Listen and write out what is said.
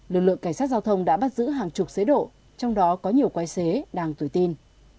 lực lượng cảnh sát giao thông đã bắt giữ hàng chục chế độ trong đó có nhiều quái xế đang tự tin